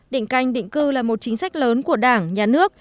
định canh định cư là một chính sách lớn của đảng nhà nước